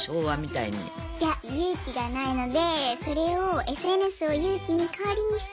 いや勇気がないのでそれをＳＮＳを勇気の代わりにして。